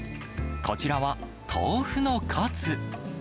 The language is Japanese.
こちらは、豆腐のカツ。